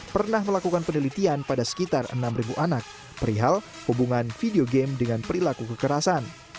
pernah melakukan penelitian pada sekitar enam anak perihal hubungan video game dengan perilaku kekerasan